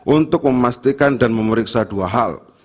untuk memastikan dan memeriksa dua hal